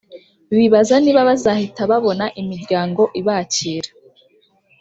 bibaza niba bazahita babona imiryango ibakira